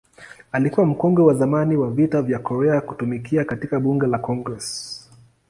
Alikuwa mkongwe wa zamani wa Vita vya Korea kutumikia katika Bunge la Congress.